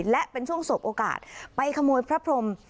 และเป็นช่วงสบโอกาสไปขโมยพระพรม